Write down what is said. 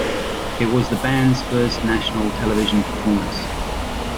It was the band's first national television performance.